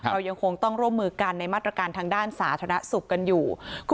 เรายังคงต้องร่วมมือกันในมาตรการทางด้านสาธารณสุขกันอยู่